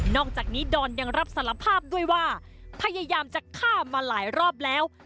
อกจากนี้ดอนยังรับสารภาพด้วยว่าพยายามจะฆ่ามาหลายรอบแล้ว